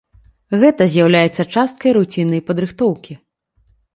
Гэта з'яўляецца часткай руціннай падрыхтоўкі.